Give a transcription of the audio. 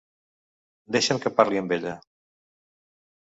Deixa'm que parli amb ella.